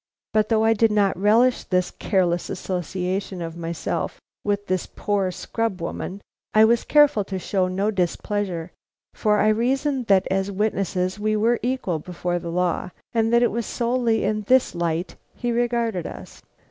But though I did not relish this careless association of myself with this poor scrub woman, I was careful to show no displeasure, for I reasoned that as witnesses we were equal before the law, and that it was solely in this light he regarded us.